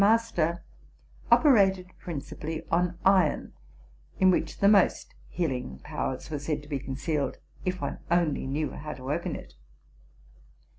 285 master, operated principally on iron, in which the most heal ing powers were said to be concealed, if one only knew how to open it.